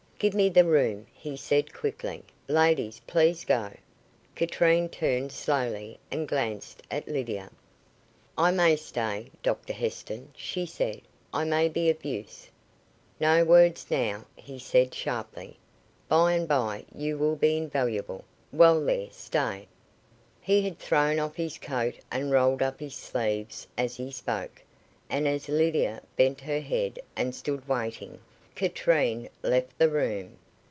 "Give me the room," he said quickly. "Ladies, please go." Katrine turned slowly, and glanced at Lydia. "I may stay, Doctor Heston," she said. "I may be of use." "No words now," he said, sharply. "By and by you will be invaluable. Well there, stay." He had thrown off his coat and rolled up his sleeves as he spoke, and as Lydia bent her head and stood waiting, Katrine left the room.